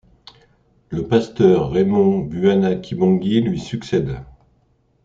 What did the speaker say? Le pasteur Raymond Buana Kibongui lui succède.